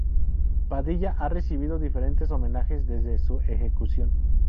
Padilla ha recibido diferentes homenajes desde su ejecución.